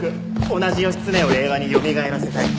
同じ義経を令和によみがえらせたい。